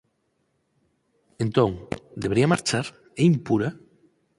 “Entón, debería marchar? É impura?”